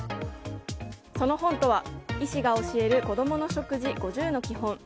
その本とは「医師が教える子どもの食事５０の基本」。